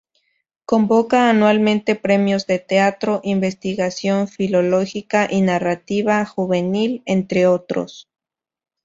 Convoca anualmente premios de teatro, investigación filológica y narrativa juvenil, entre otros.